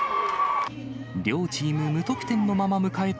両チーム無得点のまま迎えた